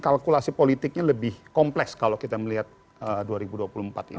kalkulasi politiknya lebih kompleks kalau kita melihat dua ribu dua puluh empat ini